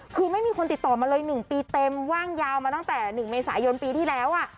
คือไม่มีคนติดต่อมาเลย๑ปีเต็มว่างยาวมาตั้งแต่๑เมษายนปีที่แล้ว